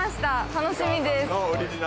楽しみです。